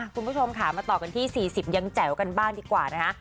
คุณผู้ชมค่ะมาต่อกันที่๔๐ยังแจ๋วกันบ้างดีกว่านะคะ